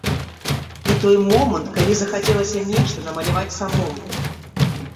І той момант, калі захацелася нешта намаляваць самому.